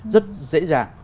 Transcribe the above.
rất dễ dàng